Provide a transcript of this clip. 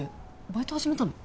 バイト始めたの？